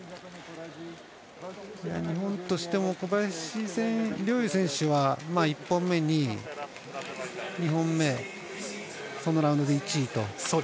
日本としても小林陵侑選手は１本目に２本目そのラウンド１位と。